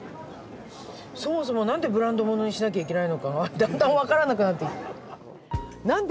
そもそも何でブランド物にしなきゃいけないのかがだんだん分からなくなってきた。